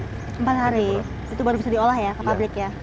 itu baru bisa diolah ya ke pabrik ya